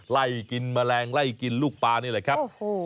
ไล่กินแมลงไล่กินลูกปลานี่แหละครับ